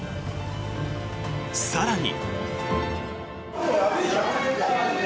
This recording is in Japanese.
更に。